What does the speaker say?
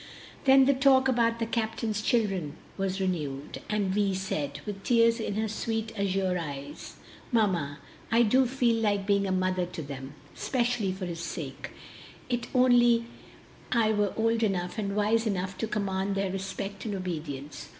Then the talk about the captain's children was renewed, and Vi said, with tears in her sweet azure eyes, "Mamma, I do feel like being a mother to them especially for his sake it only I were old enough and wise enough to command their respect and obedience.